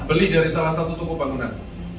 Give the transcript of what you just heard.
beli dari salah satu toko bangunan